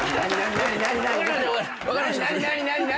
何？